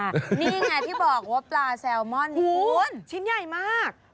นี่ไงที่บอกว่าปลาแซลมอนชิ้นใหญ่มาก